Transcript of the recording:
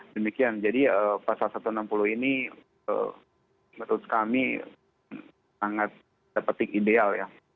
demikian jadi pasal satu ratus enam puluh ini menurut kami sangat terpetik ideal ya